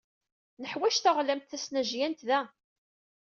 Neḥwaj taɣlamt tasnajyant da!